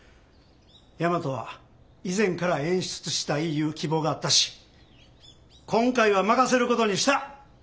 大和は以前から演出したいいう希望があったし今回は任せることにした！